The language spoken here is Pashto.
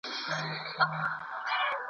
خپل عزت به په خپله ساتئ.